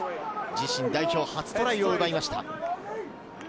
自身代表初トライを奪いました。